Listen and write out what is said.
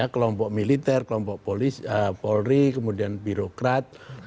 kelompok militer kelompok polri kemudian birokrat